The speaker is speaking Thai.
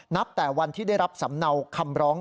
แต่วันที่ได้รับสำเนาคำร้อง